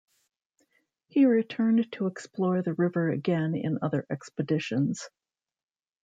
He returned to explore the river again in other expeditions.